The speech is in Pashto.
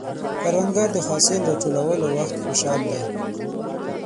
کروندګر د حاصل راټولولو وخت خوشحال دی